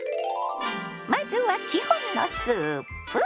まずは基本のスープ？